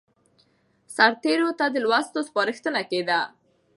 سرتېرو ته د لوستلو سپارښتنه کېده.